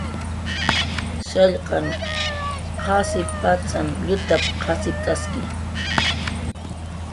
"Shallqaq qasip patzan llutap"" qasipt'aski"